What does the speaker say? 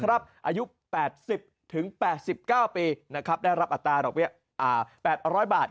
อายุ๘๐๘๙ปีได้รับอัตราดอกเบี้ย๘๐๐บาท